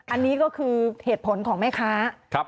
อันนี้ก็คือเหตุผลของแม่ค้า